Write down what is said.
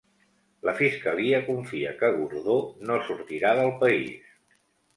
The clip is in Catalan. La Fiscalia confia que Gordó no sortirà del país